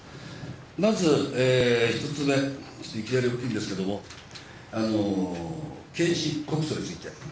まず１つ目、いきなり大きいんですけれども、刑事告訴について。